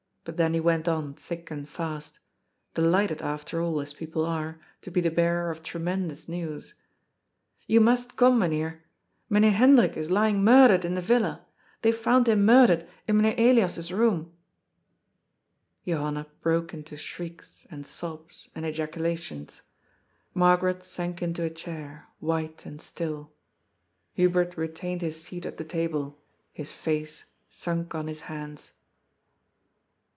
But then he went on thick and fast — delighted, after all, as people are, to be the bearer of tremendous news :" You must come. Mynheer ! Mynheer Hendrik is lying murdered in the Villa. They found him murdered in Mynheer Elias's room." Johanna broke into shrieks and sobs and ejaculations. Margaret sank into a chair, white and still. Hubert retained his seat at the table, his face sunk on his hands.